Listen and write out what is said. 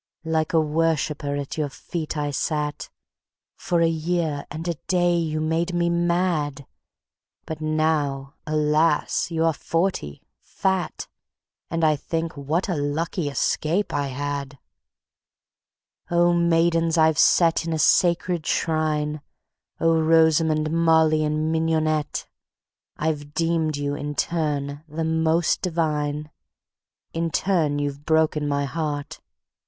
Like a worshiper at your feet I sat; For a year and a day you made me mad; But now, alas! you are forty, fat, And I think: What a lucky escape I had! Oh, maidens I've set in a sacred shrine, Oh, Rosamond, Molly and Mignonette, I've deemed you in turn the most divine, In turn you've broken my heart